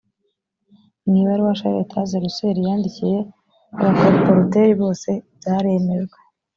mu ibaruwa charles taze russell yandikiye abakoruporuteri bose byaremejwe